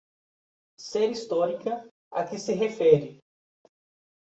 Série histórica a que se refere